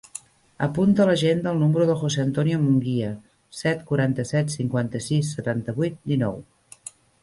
Apunta a l'agenda el número del José antonio Munguia: set, quaranta-set, cinquanta-sis, setanta-vuit, dinou.